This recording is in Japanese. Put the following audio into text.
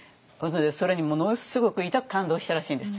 それにものすごくいたく感動したらしいんです。